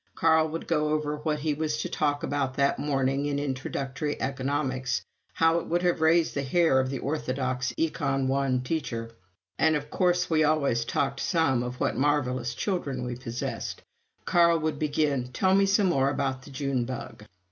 Carl would go over what he was to talk about that morning in Introductory Economics (how it would have raised the hair of the orthodox Econ. I teacher!), and of course we always talked some of what marvelous children we possessed. Carl would begin: "Tell me some more about the June Bug!"